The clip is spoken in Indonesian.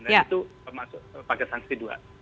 dan itu masuk paket sanksi dua